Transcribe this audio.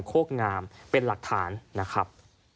โคกงามเป็นหลักฐานนะครับ